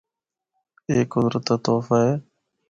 اے قدرت دا تحفہ اے۔